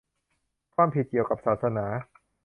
ความผิดเกี่ยวกับศาสนา